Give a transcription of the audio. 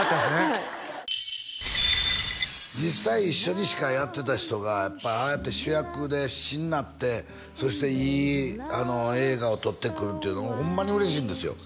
はい実際一緒に司会やってた人がやっぱああやって主役で必死になってそしていい映画を撮ってくるというのホンマに嬉しいんですよ